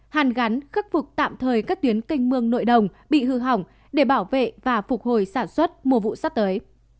hàn gắn khắc phục tạm thời các tuyến canh mương nội đồng bị hư hỏng để bảo vệ và phục hồi sản xuất mùa vụ sắp tới